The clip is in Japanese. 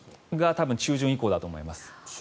多分中旬以降だと思います。